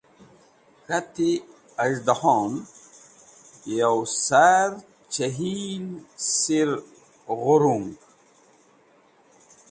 K̃ahti, az̃hdahoren yow sar chihl sir ghurungi.